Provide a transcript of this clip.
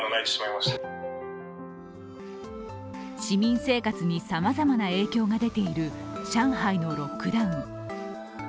市民生活にさまざまな影響が出ている上海のロックダウン。